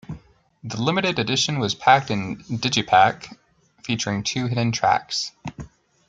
The limited edition was packed in digipak, featuring two hidden tracks.